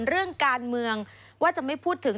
เรื่องการเมืองว่าจะไม่พูดถึง